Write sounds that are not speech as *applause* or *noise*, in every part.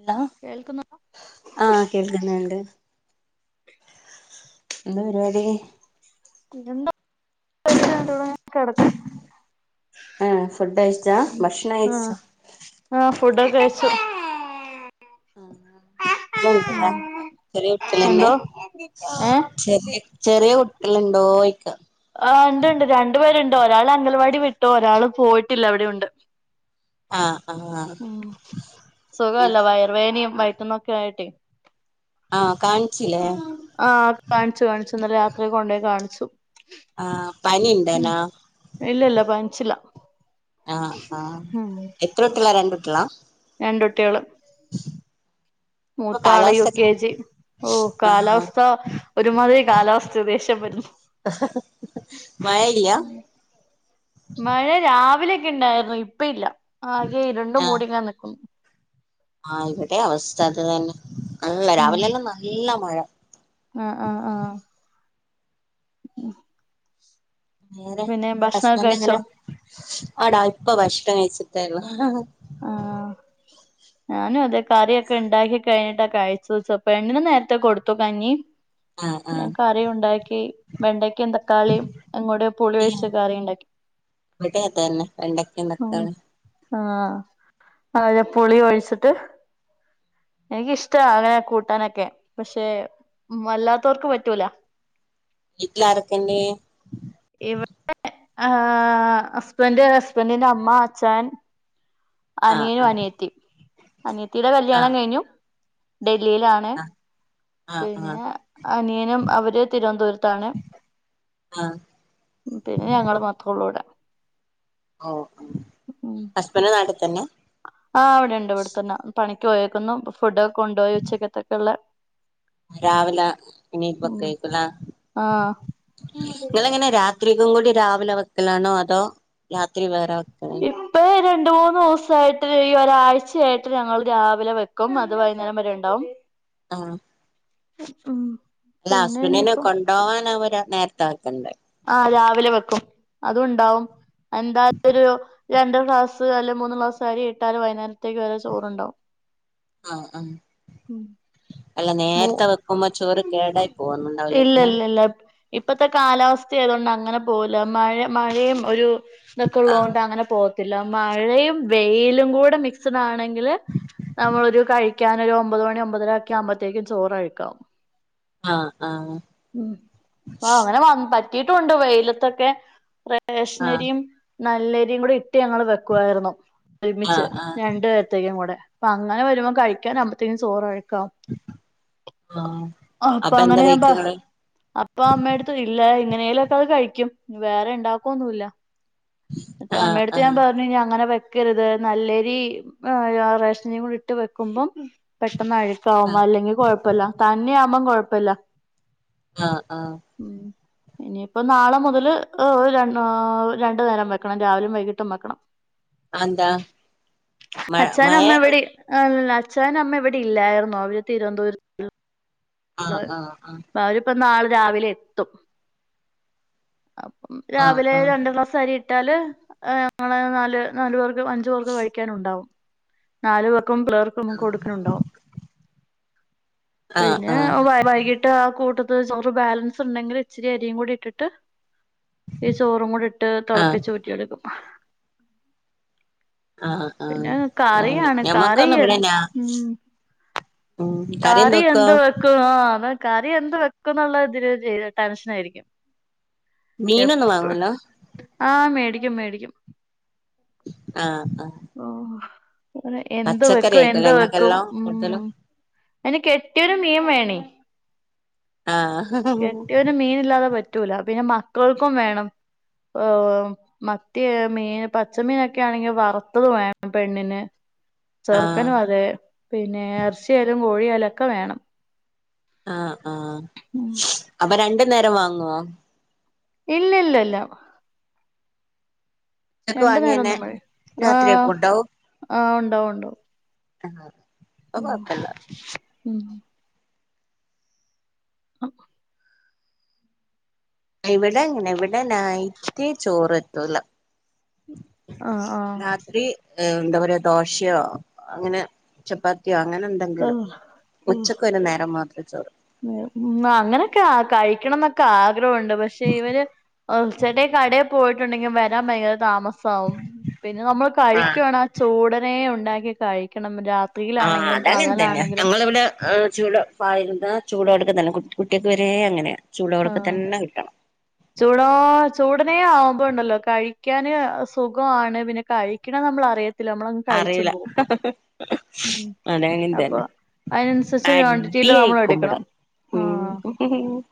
Hello കേൾക്കുന്നു ആ കേൾക്ക്ണ് ണ്ട് എന്താ പരിപാടി എന്തോ. *unintelligible* കെടക്കുന്നു ആഹ് ഫുഡ്ഴിച്ചാ. ആഹ് ആ ഫുഡൊക്കെ കഴിച്ചു *unintelligible* ചെറിയ കുട്ടിയളന്നെ എന്തോ ഏ ചെറി ചെറ്യേ കുട്ടിളുണ്ടോ യിക്ക. ആ ഇണ്ട് ഇണ്ട് രണ്ടു പേര്ണ്ട് ഒരാള് അംഗൽവാടി വിട്ടു ഒരാൾ പോയിട്ടില്ല ഇവിടെയുണ്ട് ആഹ് ആഹ്. ഉം സുഖല്ല പിന്നെ വയർവേനയും വൈട്ടന്നൊക്കെ ആയിട്ടെ. ആ കാൺച്ചിലെ കാൺച്ചു കാൺച്ചു ഇന്നലെ രാത്രി കൊണ്ടെയ് കാൺച്ചു. ആഹ് പനി ഇണ്ടനാ ഇല്ല ഇല്ല പൻച്ച്ല്ല. ആഹ് ആഹ് എത്ര കുട്ട്യളാ രണ്ട് കുട്ടികളാ? രണ്ടുട്ട്യേള് ഉ മൂത്താള് യു കെ ജി. ഓ ആഹ് കാലാവസ്ഥ ഒരുമാതിരി കാലാവസ്ഥ ദേഷ്യം വരുന്നു മഴയില്ല. ഉം മഴ രാവിലെക്കെ ഇണ്ടായിരുന്നു ഇപ്പ ഇല്ല ആകെ ഇര്ണ്ടു മൂടിങ്ങനെ നിക്കുന്നു ആ ഇവടേം അവസ്ഥ അത് തന്നെ നല്ല ഉം രാവിലെ എല്ലാം നല്ല മഴ ആഹ് ആഹ് ആഹ് ഉം. *unintelligible* ഭക്ഷണൊക്കെ ഹസ്ബൻഡ കഴിച്ചോ എങ്ങനെ ആടാ ഇപ്പൊ ഭക്ഷണം കഴിച്ചിട്ടെള്ളൂ ആഹ് *inaudible* ഞാനും അതേ കറിയൊക്കെ ഉണ്ടാക്കി ക്കഴിഞ്ഞിട്ടാ കഴിച്ചത് പെണ്ണിന് നേരത്തെ കൊടുത്തു കഞ്ഞി ആഹ് ഞാൻ ആഹ് കറി ഉണ്ടാക്കി വെണ്ടയ്ക്കയും തക്കാളിയും അങ്ങോട്ടു പുളി വെച്ച് കറി ഉണ്ടാക്കി ഇവിടെയും അതു തന്നെ വെണ്ടയ്ക്കയും തക്കാളി ആ വാഴപുളി ഒഴിച്ചിട്ട് എനിക്കിഷ്ടമാ അങ്ങനെ കൂട്ടാനൊക്കെ പക്ഷെ വല്ലാത്തവർക്ക് പറ്റൂല വീട്ടിലാരക്കെയുണ്ട്? ഇവിടെ ആ ഹസ്ബൻ്റ്, ഹസ്ബൻഡിന്റെ അമ്മ, അഛായൻ ആഹ് അനിയനും ആഹ് അനിയത്തിയും, അനിയത്തിയുടെ കല്യാണം ആഹ് കഴിഞ്ഞു ഡൽഹിയിലാണ്. നെ ആഹ് ആഹ് ആഹ് പിന്നെ അനിയനും അവര് തിരുവനന്തപുരത്താണ്. ആഹ് പിന്നെ ഞങ്ങള് മാത്രേ ഉള്ളൂ ഇവിടെ. ഓ ഹസ്ബൻഡ് നാട്ടിൽത്തന്നെ ആഹ് ഇവിടെയുണ്ട് ഇവിടെത്തന്നെ പണിക്ക് പോയേക്കുന്നു. ഫുഡൊക്കെ കൊണ്ടുപോയി ഉച്ചക്കത്തേക്കുള്ള രാവിലെ മീൻ ഉം വെക്കുയ്ക്കുലേ ആഹ് നിങ്ങളെ എങ്ങനെ ത്രിക്കും കൂടി രാവിലെ വെക്കലാണോ അതോ രാത്രി വേറെ വെക്കലാണോ? രണ്ടു മൂന്നു ദിവസമായിട്ട് ഈ ഒരാഴ്ചയായിട്ട് ഞങ്ങൾ രാവിലെ വെക്കും. അത് വൈകുന്നേരം വരെ ഉണ്ടാവും. ആഹ് *unintelligible* അല്ല പിന്നെ ഹസ്ബൻഡിനെ ഇനിയിപ്പം കൊണ്ടോവാൻ അവര് നേരത്തെ ആക്കണ്ടേ? ആഹ് രാവിലെ വെക്കും അതുണ്ടാവും എന്തായൊരു രണ്ട് ക്ലാസ് അല്ലെ മൂന്ന് ക്ലാസ് അരി ഇട്ടാല് വൈകുന്നേരത്തേക്ക് വരെ ചോറുണ്ടാവും. ആഹ് ആഹ് അല്ല മൂ നേര്ത്തെ വെക്കുമ്പോ ചോറ് കേടായി പോകുന്നുണ്ടാവിലെയ്ക്കു ലേ ഇപ്പഴത്തെ കാലാവസ്ഥയായതുകൊണ്ട് അങ്ങനെ പോകില്ല. മഴ മഴയും ഒരു ഇതൊക്കെ ആഹ് ഉള്ളതുകൊണ്ട് അങ്ങനെ പോകത്തില്ല. മഴയും വെയിലും കൂടെ മിക്സഡ് ആണെങ്കില് നമ്മളൊരു കഴിക്കാൻ ഒരു ഒമ്പത് മണി ഒമ്പതരയൊക്കെ ആവുമ്പോഴ്ത്തേക്കും ചോറ് അഴ്ക്കാകും ആഹ് ആഹ് ഉം അ അങ്ങനെ വാങ്ങും പറ്റ് *unintelligible* വെയിലത്തൊക്കെ ആഹ് റേഷനരിയും നല്ലരിയും കൂടി ഇട്ട് ഞങ്ങൾ വെക്കുവായിരുന്നു ഒരുമിച്ച് ആഹ് ആഹ് രണ്ടുപേർ വൈകും കൂടെ അപ്പ അങ്ങനെ വരുമ്പോ കഴിക്കാനാകുമ്പോഴത്തേക്കും ചോറ് അഴുക്കാകും. ആഹ് അപ്പൊ എന്താ അങ്ങനെയാകുമ്പം കഴിച്ചങ്ങള് അപ്പൊ അമ്മയടുത്ത് ഇല്ല എങ്ങനേലു ഒക്കെ അത് കഴിക്കും വേറെ ഇണ്ടാക്കൊന്നുല്ല മറ്റേ ആഹ് അമ്മയുടെയടുത്ത് ഞാൻ ആഹ് പറ അങ്ങനെ വെക്കരുത് നല്ലരി റേഷനരിയും കൂടി ഇട്ട് വെക്കുമ്പം പെട്ടെന്ന് അഴുക്കാവും ആഹ് അല്ലെങ്കിൽ കുഴപ്പല്ല തന്നെയാവുമ്പം കുഴപ്പല്ല ആഹ് ആഹ് ഉം ഇനിയിപ്പം നാളെ മുതൽ ര് രണ്ടു നേരം വെക്കണം രാവിലും വൈകിട്ടും വെക്കണം അതെന്താ? മഴ അച്ഛാനും മഴ അമ്മയും ഇവിടെ അല്ല അച്ഛാനും അമ്മയും ഇവിടെ ഇല്ലായിരുന്നു അവര് തിരുവനന്തപുരത്ത് ആഹ് ആഹ് അവരിപ്പൊ നാളെ രാവിലെ എത്തും. അപ്പം ആഹ് രാവിലെ ആഹ് രണ്ട് ക്ലാസ് അരി ഇട്ടാല് ഞങ്ങള് നാല് നാലു പേർക്ക് അഞ്ചു പേർക്ക് കഴിക്കാനുണ്ടാവും നാല് പേർക്കും പിള്ളേർക്കും കൊടുക്കാനുണ്ടാവും ആഹ് പിന്നെ ആഹ് വൈകിട്ട് ആ കൂട്ടത്ത് ചോറ് ബാലൻസ് ഉണ്ടെങ്കിൽ ഇച്ചിരി അരിയും കൂടി ഇട്ടിട്ട് ഈ ചോറും കൂടി ഇട്ട് ആഹ് ആഹ് തിളപ്പിച്ചൂ റ്റിയെടുക്കും ആഹ് ആഹ് പിന്നെ അങ്ങനെ കറിയാണ് കറി ഞമ്മക്കൊന്നും ഇവിടെന്നാ ഉം കറി എന്ത് വെക്കും ആ അത് കറി എന്ത് വെക്കുംന്ന്ള്ളതില് ടെൻഷൻ ആയിരിക്കും. മീനൊന്നും വാങ്ങൂല? ആഹ് മേടിക്കും മേടിക്കും ആഹ് ആഹ്. ഓ അ എന്ത് പച്ചക്കറി വെക്കും ആയിക്കുല്ലേ എന്ത് വെക്കും ഇങ്ങക്കെല്ലാം കൂടുതലും ഉം. അയ്ന് കെട്ടിയൊനും മീൻവേണേ. ആഹ് കെട്ടിയോന് മീനില്ലാതെ പറ്റൂല പിന്നെ മക്കൾക്കും വേണം. ഉം മറ്റേ മീൻ പച്ചമീനൊക്കെ ആണെങ്കി വറ ത്ത് വേണം പെണ്ണിന് ആഹ് ചെറുക്കനും അതെ. പിന്നെ എറ്ച്ചിയായാലും കോഴിയായാലൊക്കെ വേണം. ആഹ് ആഹ്, അപ്പൊ രണ്ട് നേരം വാങ്ങോ? ഇല്ലല്ലല്ല. ഉച്ചക്ക് രണ്ടു വാങ്ങിയന്നെ നേരൊന്നും, ആഹ് രാത്രിയൊക്കും ഉണ്ടാവും ആഹ് ണ്ടാവും ഒണ്ടാവും. ആഹ് അത്കൊയ്പ്പല്ല. ഉം അ ഇവിടെങ്ങനെ ഇവിട നയ്റ്റ് ചോറെത്തൂല ആഹ് ആഹ് രാത്രി ഉം എന്താ പറയ ദോശയോ അങ്ങനെ ചപ്പാത്തിയോ അങ്ങനെ ആഹ് *unintelligible* ഉം ഉച്ചക്കൊരു നേരം മാത്രേ ചോറൂ ഉം അങ്ങനൊക്കെ ആ കഴിക്കണംന്നൊക്കെ ആഗ്രഹണ്ട് പക്ഷെ ഇവര് ച്ചേട്ടേ കടെ പോയിട്ടുണ്ടെങ്കി വരാൻ ഭയങ്കര താമസം. പിന്നെ നമ്മൾ ആഹ് കഴിക്കുവാണേ ആ ചൂടനെ ഉണ്ടാക്കി കഴിക്കണം രാ ആഹ് അതങ്ങൻതന്നെ. ഞങ്ങളിവ്ടെ ആ ചൂടോ ചായ എന്താ ചൂടോട്ക്കതന്നെ കു കുട്ട്യാക്ക് വരെ അങ്ങനെയ. ചൂടോട്ക്ക ആഹ് തന്നെ കിട്ടണം. ചൂടോ ചൂടനെ ആവുമ്പോണ്ടല്ലോ കഴിക്കാനും സുഖാണ് പിന്നെ കഴിക്ക്ണെ നമ്മളറിയത്തില്ല നമ്മള അറിയൂല. മ് അതെ അയ്നൻസര്ച്ച് ക്വാണ്ടിറ്റില് നമ്മൾ അടിയായിക്കും ഇവിടെ എടുക്കണം. ആഹ് ഉം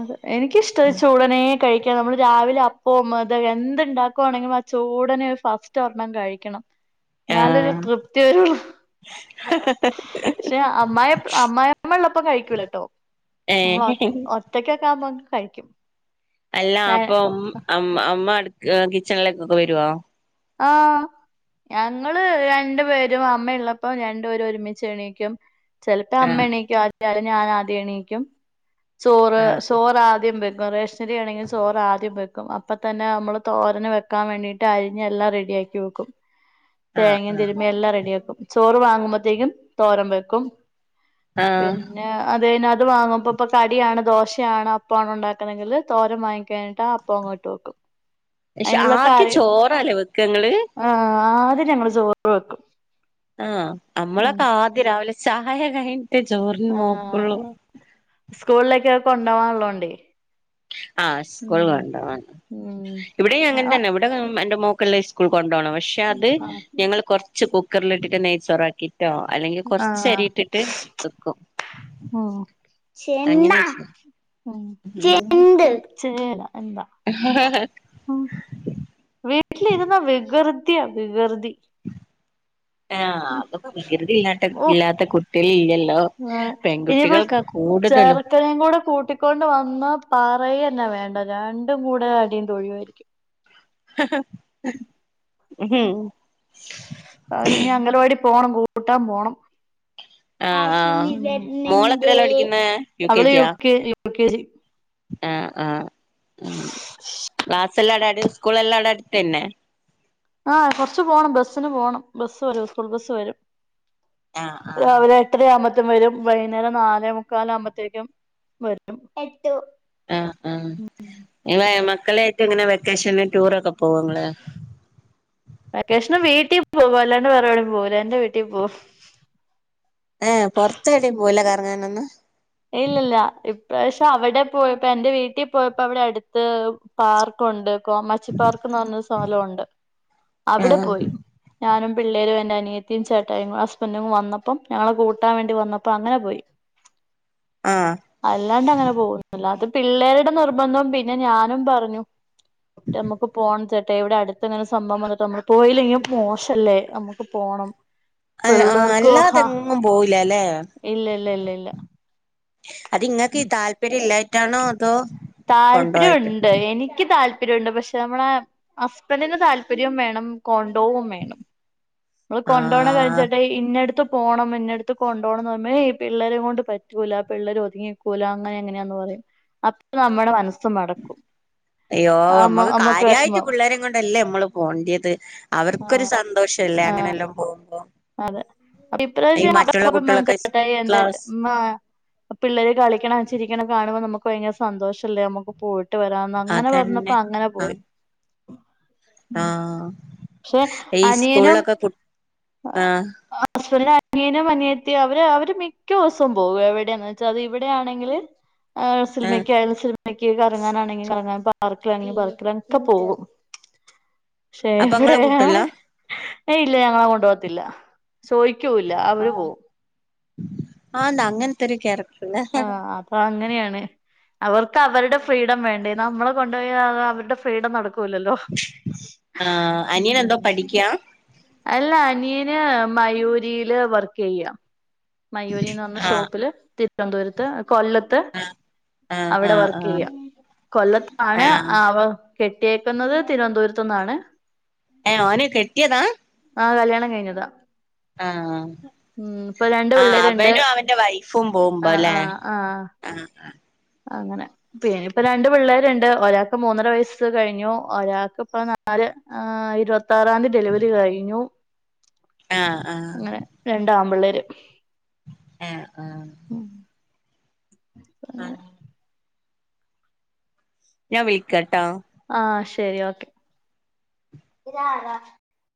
അതെ എനിക്കിഷ്ട ചൂടനെ കഴിക്കാ നമ്മള് രാവിലെ അപ്പവും തും എന്തുണ്ടാക്കുവാണെങ്കിലും ചൂടനെ ഫസ്റ്റൊരെണ്ണം കഴിക്കണം ന്നാലൊരു ആഹ് തൃപ്തി വരുള്ളൂ. ക്ഷെ, അമ്മായി അമ്മായമ്മള്ളപ്പം കഴിക്കൂലട്ടോ. ഉം ഏഹ് ഒറ്റക്കൊക്കാവുമ്പോ കഴിക്കും. അല്ല പക്ഷെ അപ്പൊ ഉം അം അമ്മ കിച്ചണിലേക്കൊക്കെ വരോ? ആഹ്. ഞങ്ങള് രണ്ടു പേരും അമ്മയുള്ളപ്പോ രണ്ടുപേരും ഒരുമിച്ചെണീക്കും. ചിലപ്പോ അമ്മ ആഹ് എണീക്കും ആദ്യം ഞാൻ ആദ്യണീക്കും. ചോറ് ആഹ് ചോറാദ്യം വെക്കും. ശരിയാണെങ്കിൽ ചോറ് ആദ്യം വെക്കും അപ്പ തന്നെ നമ്മൾ തോരന് വെക്കാൻ വേണ്ടിട്ട് അ എല്ലാം റെഡി ആക്കി വെക്കും ആഹ് തേങ്ങയും ആഹ് തിരുമ്പി എല്ലാം റെഡിയാക്കും ചോറ് വാങ്ങുമ്പത്തേക്കും തോരൻ വെക്കും ആഹ് പിൻ ന്നെ അത് കഴിഞ്ഞ് അത് വാങ്ങുമ്പൊതൊട്ട് കടിയാണ് ദോശയാണ് അപ്പാണ് ഉണ്ടാക്കുന്നതെങ്കില് തോരം വാങ്ങിക്കഴിഞ്ഞിട്ട് അ പൊങ്ങാട്ടോ. ക്ഷെ, ആദ്യം ചോറാലെ വെക്കങ്ങള്? ആഹ് ആദ്യം ഞങ്ങള്ചോറ് വെക്കും. ആഹ് ഉം നമ്മളൊക്കെ ആദ്യ രാവിലെ ചായ കയ്ഞ്ഞിട്ടേ ചോറ്. ആഹ് ആഹ് സ്കൂളിലൊക്കെ കൊണ്ടൊവാന്ള്ളോണ്ടെ ആഹ് സ്കൂൾണ്ടോ ഉം ഇവിടെയും അങ്ങനെ തന്നെ ഇവി ഇവിടെ എന്റെ മോക്കെല്ലാം സ്കൂൾ കൊണ്ടണം പക്ഷെ അത് ഞങ്ങള് കുറച്ച് കുക്കറിലിട്ടിട്ട് നെയ്ച്ചോറാക്കി ട്ടോ അല്ലെങ്കി കൊറച്ചരി ഇട്ടിട്ട് വെക്കും ഓ ചെണ്ണ അങ്ങനെ വെച്ച് ചെണ്ട് ചേ ല്ല എന്താ ഉം വീട്ടില് ഇര്ന്നാ വികൃതിയാ വികൃതി ആഹ് അത് വികൃതി ഇല്ലാ ഓഹ് ഇല്ലാത്ത കുട്ടികള് ഇല്ലല്ലോ പെൺകുട്ടികൾക്കാ കൂടുതലും ഇത്രയും കൂടെ കൂട്ടിക്കൊണ്ട് വന്ന് പറയെന്നെ വേണ്ട രണ്ടും കൂടെ അടിയും തൊഴിയും ആയിരിക്കും ഉം ഇനി അംഗലവാടി പോണം കൂട്ടാൻ പോണം. ആഹ് ആഹ് മോളെത്രേലാ പഠിക്കുന്നേ അവള് യു ജിയാ K G, U K G ആഹ് ആഹ് മ്ഹ് ക്ലാസ് എല്ലാം *unintelligible* സ്കൂൾ എല്ലാം അവിടെ അടുത്ത് തന്നെ ആഹ് കൊറച്ച് പോണം ബസ്സിന് പോണം. ബസ് വരും സ്കൂൾ ബസ് വരും ആഹ് ആഹ് രാവിലെ *unintelligible* ആകുമ്പത്തും വരും വൈകുന്നേരം നാലേ മുക്കാല് ആവുമ്പത്തേക്കും വരും ആഹ് ആഹ് ഇങ്ങള് മക്കളായിട്ട് എങ്ങനെ വെക്കേഷന് ടൂറൊക്കെ പോവോ ഇങ്ങള് വെക്കേഷന് വീട്ടി പോവും. അല്ലാണ്ട് വേറെ എവിടെ പോവൂല എന്റെ വീട്ടി പോവും ഏഹ് പൊറത്ത് എവിടെം പോവൂല കറങ്ങാനൊന്നും ഇല്ലില്ല ഇപ്രാവ്ശ്യം അവിടെ പോയപ്പോ എന്റെ വീട്ടി പോയപ്പോ അവിടെ അടുത്ത് പാർക്ക് ഒണ്ട് കോമാച്ചി പാർക്ക് എന്ന പറഞ്ഞൊരു സ്ഥലം ഉണ്ട്. അവിടെ ആഹ് പോയി ഞാനും പിള്ളേരും എന്റെ അനിയത്തിയും ചേട്ടായിയും ഹസ്ബൻഡും വന്നപ്പം ഞങ്ങളെ കൂട്ടാൻ വേണ്ടി വന്നപ്പോ അങ്ങനെ പോയി ആഹ് അല്ലാണ്ട് അങ്ങനെ പോകൊന്നുല്ല. അത് പിള്ളേരുടെ നിർബന്ധവും പിന്നെ ഞാനും പറഞ്ഞു *unintelligible* നമുക്ക് പോണം ചേട്ടായി. ഇവിടെ അടുത്ത് ഇങ്ങനെ സംഭവം വന്നിട്ട് നമ്മള് പോയില്ലെങ്കി അത് മോശല്ലേ അമ്മക്ക് പോണം *unintelligible* ഏഹ് പിള്ളേർക്ക് ഹാ അല്ലാതെങ്ങും പോവൂല അല്ലേ ഇല്ല ഇല്ല ഇല്ല ഇല്ല അത് ഇങ്ങക്ക് ഈ താല്പര്യം ഇല്ലായിട്ടാണോ അതോ താല്പര്യം കൊണ്ടോവായിട്ട് ഒണ്ട് എനിക്ക് താൽ *unintelligible* പക്ഷെ നമ്മളെ ഹസ്ബൻഡിന്‌ താല്പര്യവും വേണം കോണ്ടോവും വേണം. അത് കൊണ്ടോണ *unintelligible* ആഹ് ചേട്ടായി ഇന്നടുത്ത് പോണം ഇന്നടുത്ത് കൊണ്ട് പോണന്ന് *unintelligible* ഏയ് പിള്ളേരെ കൊണ്ട് പറ്റൂല പിള്ളര് ഒതുങ്ങി *unintelligible* അങ്ങനെ ഇങ്ങനെയാന്ന് പറയും അപ്പ നമ്മടെ മനസ് അയ്യോ അമ്മക്ക് നമ്മക്ക് കാര്യായിട്ട് വിഷമാവും പിള്ളേരേം കൊണ്ടല്ലേ അമ്മളും പോണ്ടിയത്. അവർക്കൊരു ആഹ് സന്തോഷം അല്ലേ അങ്ങനെല്ലാം പോവുമ്പോ അതെ. ഇപ്രാവശ്യം *unintelligible* കുട്ടികളൊക്കെ ചേട്ടായി എന്തായിട്ട് ക്ലാസ് ഉമ്മാ പിള്ളേര് കളിക്കണ ചിരിക്കണ കാണുമ്പോൾ നമുക്ക് ഭയങ്കര സന്തോഷല്ലേ നമുക്ക് പോയിട്ട് വരാം നങ്ങനെ അതന്നെ പറഞ്ഞപ്പോ അങ്ങനെ പോയി ആഹ് ആഹ് പക്ഷെ ഈ സ്കൂളിലൊക്കെ കുട്ട് ആഹ് ഹസ്ബന്റിന്റെ അനിയനും അനിയത്തിയും അവര് അവര് മിക്ക ദിവസവും പോകും എവിടെയാന്ന് വെച്ചാ അത് ഇവിടെയാണെങ്കില് ആഹ് സിനിമക്കായാൽ സിനിമക്ക് കറങ്ങാനാണെങ്കിൽ കറങ്ങാൻ പാർക്കിലാണെങ്കിൽ പാർക്കില് *unintelligible* ഒക്കെ പോകും അപ്പൊ ഇങ്ങള കൂട്ട്യല്ലാ ഏഹ് ഇല്യാ ഞങ്ങള കൊണ്ടോവത്തില്ല ചോദിക്യൂല അവര് പോവും ആന്ന് അങ്ങനത്തൊരു ക്യാരക്ടർല്ലേ ആഹ് അപ്പൊ അങ്ങനെയാണ് അവർക്ക് അവരുടെ ഫ്രീഡം വേണ്ടേ. നമ്മളെ കൊണ്ടുപോയാ അത് അവരുടെ ഫ്രീഡം നടക്കൂല്ലല്ലോ ആഹ് അനിയൻ എന്തോ പഠിക്കാ അല്ല അനിയന് മയൂരിയില് വർക്ക് ചെയ്യാ മയൂരിന്ന് ആഹ് ഷോപ്പിൽ തിരുവനന്തപുരത്ത് കൊല്ല ആഹ് അവിടെ ആഹ് വർക്ക് ആഹ് ചെയ്യാ കൊല്ലത്താണ് ആഹ് അവൻ കെട്ടിയേക്കുന്നത് തിരുവന്തപുരത്തുന്നാണ്. ഏഹ് ഓന് കെട്ടിയതാ. ആഹ് കല്യാണം കഴിഞ്ഞതാ ആഹ് ഉം ഇപ്പൊ രണ്ട് ആഹ് പിള്ളേരുണ്ട് അവനും അവന്റെ വൈഫും പോവുമ്പ ആഹ് അല്ലേ ആഹ് ആഹ് ആഹ് അങ്ങനെ *unintelligible* ഇപ്പ രണ്ട് പിള്ളേര്ണ്ട് ഒരാക്ക് മൂന്നര വയസ്സ് കഴിഞ്ഞു ഒരാക്ക്പ്പ നാല് ആഹ് ഇരുവത്തറാന്തി ഡെലിവറി കഴിഞ്ഞു ആഹ് ആഹ് അങ്ങനെ രണ്ട് ആമ്പിള്ളേര് ഏഹ് ആഹ് ഉം *unintelligible* ഞാൻ വിളിക്കാട്ടാ ആഹ് ശെരി ഓക്കെ